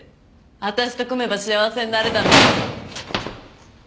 私と組めば幸せになれたのに。